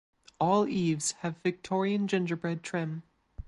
All eaves have Victorian gingerbread trim.